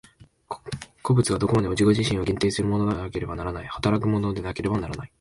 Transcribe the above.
個物はどこまでも自己自身を限定するものでなければならない、働くものでなければならない。